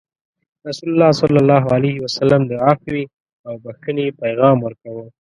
رسول الله صلى الله عليه وسلم د عفوې او بخښنې پیغام ورکوه.